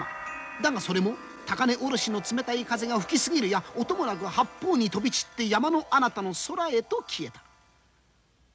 だがそれも高嶺颪の冷たい風が吹き過ぎるや音もなく八方に飛び散って山のあなたの空へと消えた。